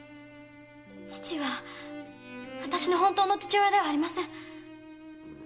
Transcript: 父はあたしの本当の父親ではありません。